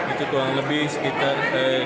itu kurang lebih sekitar dua ratus lima puluh